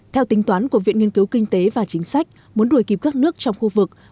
theo tính toán của viện nghiên cứu kinh tế và chính sách muốn đuổi kịp các nước trong khu vực